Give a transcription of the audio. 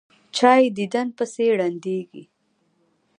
چا یې دیدن پسې ړندېږي.